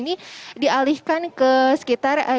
ini dialihkan ke sekitar